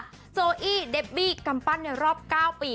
โจอี้เดบบี้กำปั้นในรอบ๙ปี